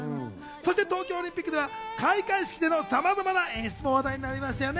そして東京オリンピックでは開会式のさまざまな演出も話題になりましたよね。